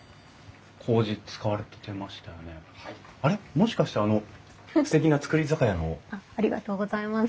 もしかしてあのすてきな造り酒屋の？ありがとうございます。